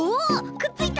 くっついた！